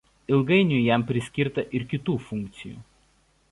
Ilgainiui jam priskirta ir kitų funkcijų.